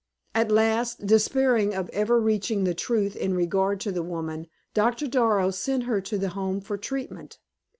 At last, despairing of ever reaching the truth in regard to the woman, Doctor Darrow sent her to the Home for treatment.